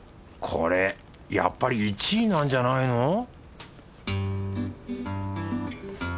これやっぱり１位なんじゃないの？